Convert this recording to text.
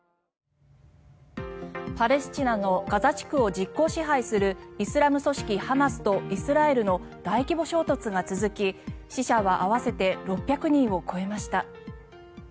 パレスチナのガザ地区を実効支配するイスラム組織ハマスとイスラエルの大規模衝突が続き死者は合わせて６００人を超えました。